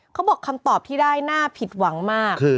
เขาบอกคำตอบที่ได้น่าผิดหวังมาก